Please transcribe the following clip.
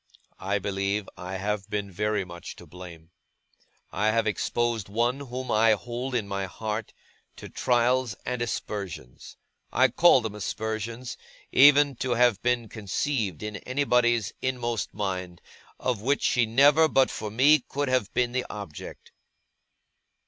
I believe I have been very much to blame. I have exposed one whom I hold in my heart, to trials and aspersions I call them aspersions, even to have been conceived in anybody's inmost mind of which she never, but for me, could have been the object.